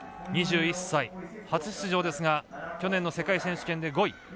２１歳、初出場ですが去年の世界選手権で５位。